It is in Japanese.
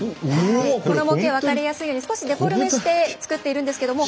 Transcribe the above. この模型、分かりやすいように少しデフォルメして作っています。